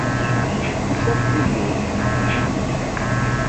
Asirem-is akk yemmut.